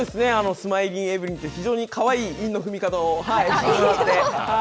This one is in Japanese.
スマイリンエブリンという、非常にかわいい韻の踏み方をしてもらって、はい。